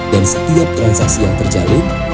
dan setiap transaksi yang terjalin